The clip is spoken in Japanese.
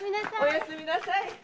おやすみなさい。